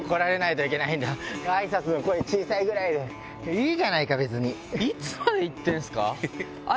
いいじゃないか別に。